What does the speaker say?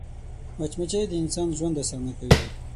مچمچۍ د انسان ژوند اسانه کوي